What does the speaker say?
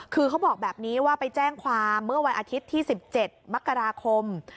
คือเขาบอกแบบนี้ว่าไปแจ้งความเมื่อวันอาทิตย์ที่๑๗มกราคม